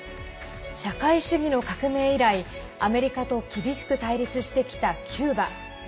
社会主義の革命以来アメリカと厳しく対立してきたキューバ。